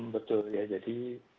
betul ya jadi